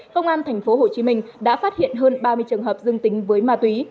công an tp hcm đã phát hiện hơn ba mươi trường hợp dương tính với ma túy